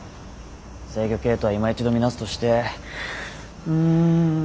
制御系統はいま一度見直すとしてうん。